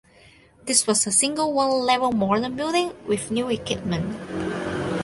This was a single one-level modern building with new equipment.